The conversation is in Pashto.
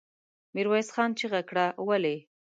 ميرويس خان چيغه کړه! ولې؟